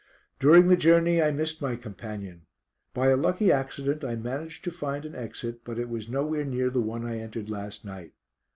During the journey I missed my companion. By a lucky accident I managed to find an exit, but it was nowhere near the one I entered last night.